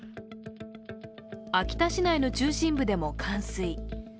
秋田市内の中心部でも冠水。